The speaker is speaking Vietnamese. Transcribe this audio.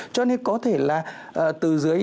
cho nên có thể là từ dưới